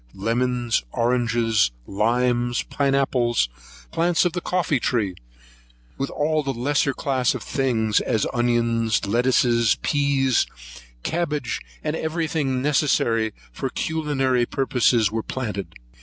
Lemons, oranges, limes, pine apples, plants of the coffee tree, with all the lesser class of things, as onions, lettuces, peas, cabbages, and every thing necessary for culinary purposes, were planted.